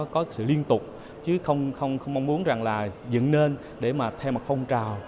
có sự liên tục chứ không mong muốn dựng nên theo một phong trào